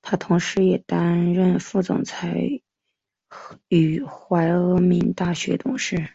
他同时也担任副总裁与怀俄明大学董事。